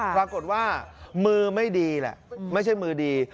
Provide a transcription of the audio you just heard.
ปรากฏว่ามือไม่ดีแหละไม่ใช่มือดี